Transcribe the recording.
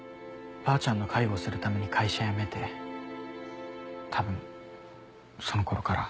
ばあちゃんの介護するために会社辞めてたぶんそのころから。